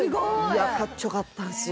いやかっちょかったんすよ